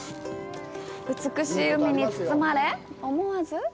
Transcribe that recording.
美しい海に包まれ、思わず